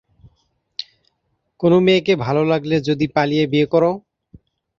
‘কোন মেয়েকে ভাল লাগলে যদি পালিয়ে বিয়ে করো?’